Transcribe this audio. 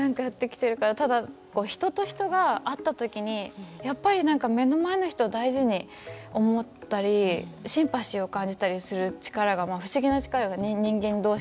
ただ人と人が会ったときにやっぱり何か目の前の人を大事に思ったりシンパシーを感じたりする力が不思議な力が人間同士にはあって。